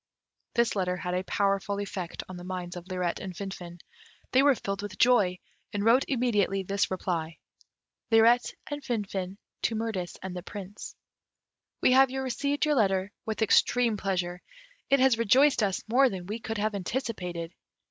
This letter had a powerful effect on the minds of Lirette and Finfin. They were filled with joy, and wrote immediately this reply: Lirette and Finfin to Mirtis and the Prince. "We have received your letter with extreme pleasure. It has rejoiced us more than we could have anticipated.